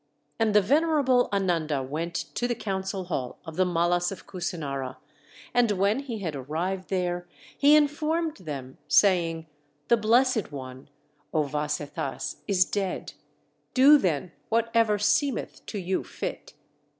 And the venerable Ananda went to the council hall of the Mallas of Kusinara; and when he had arrived there, he informed them, saying, "The Blessed One, O Vasetthas, is dead; do, then, whatever seemeth to you fit!"